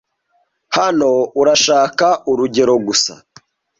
hano urashaka urugero gusa